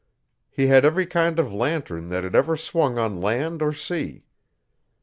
He had every kind of lantern that had ever swung on land or sea.